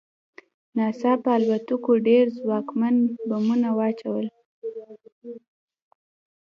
ناڅاپه الوتکو ډېر ځواکمن بمونه واچول